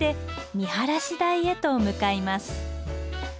見晴台へと向かいます。